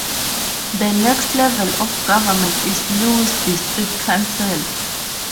The next level of government is Lewes District Council.